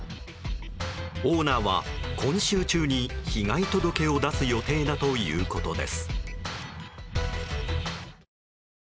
オーナーは今週中に被害届を出す予定だということです。